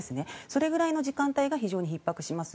それぐらいの時間帯が非常にひっ迫します。